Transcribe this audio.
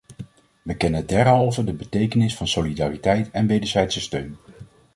We kennen derhalve de betekenis van solidariteit en wederzijdse steun.